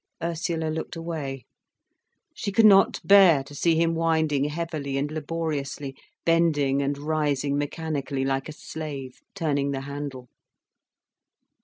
Ursula looked away. She could not bear to see him winding heavily and laboriously, bending and rising mechanically like a slave, turning the handle.